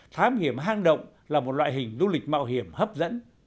thám hiểm hang động là một loại hình du lịch mạo hiểm hấp dẫn